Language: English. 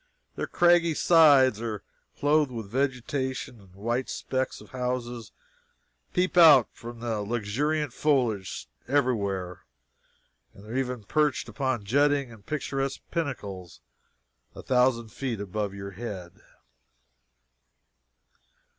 Their craggy sides are clothed with vegetation, and white specks of houses peep out from the luxuriant foliage everywhere; they are even perched upon jutting and picturesque pinnacles a thousand feet above your head.